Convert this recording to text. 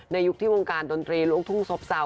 ยุคที่วงการดนตรีลูกทุ่งซบเซา